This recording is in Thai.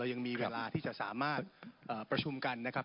ยังมีเวลาที่จะสามารถประชุมกันนะครับ